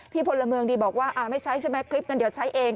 พลเมืองดีบอกว่าไม่ใช้ใช่ไหมคลิปนั้นเดี๋ยวใช้เอง